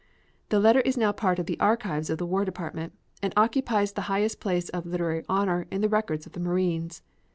The letter is now part of the archives of the War Department, and occupies the highest place of literary honor in the records of the Marines.